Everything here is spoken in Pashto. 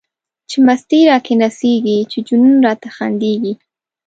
چی مستی را کی نڅيږی، چی جنون را ته خنديږی